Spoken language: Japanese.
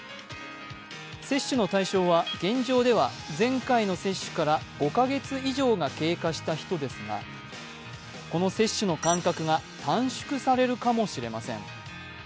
接種の対象は現状では前回の接種から５か月以上が経過した人ですがこの接種の間隔が短縮されるかもしれません。